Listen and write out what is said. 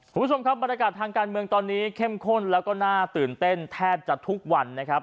คุณผู้ชมครับบรรยากาศทางการเมืองตอนนี้เข้มข้นแล้วก็น่าตื่นเต้นแทบจะทุกวันนะครับ